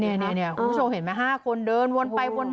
คุณผู้ชมเห็นไหม๕คนเดินวนไปวนมา